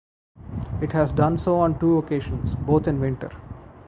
It has done so on two occasions, both in winter.